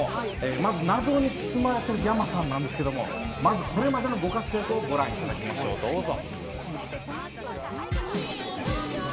まず謎に包まれてるｙａｍａさんなんですけど、これまでのご活躍をご覧いただきましょう、どうぞ。